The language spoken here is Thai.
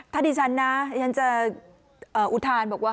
ถ้าดิฉันนะฉันจะอุทานบอกว่า